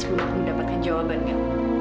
pergi sebelum aku mendapatkan jawabannya